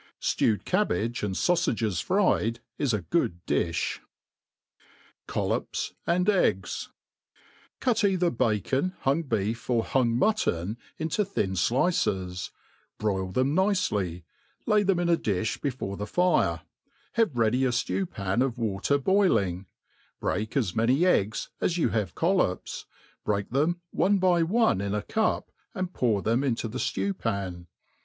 $ tewed cabbage and faufages fried is a good difh, CoUops and Eggs, CUT either bacon, hung beef, or hung itiutton In tp thirl flices; broil them nicely, lay them in a di(h before the fire, have ready a ftew pan of water, boiling, break as many eggs as you have collops, break them one by one ip a cup, and pour them into the ffew pan.